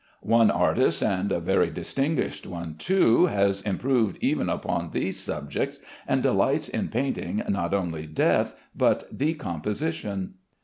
One artist (and a very distinguished one too) has improved even upon these subjects, and delights in painting not only death but decomposition.